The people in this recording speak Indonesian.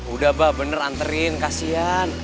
udah bah bener anterin kasian